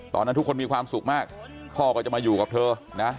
ตอนนั้นทุกคนมีความสุขมากพ่อก็จะมาอยู่กับเธอนะ